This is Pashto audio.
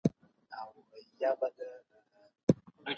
سالم ذهن انرژي نه ځنډوي.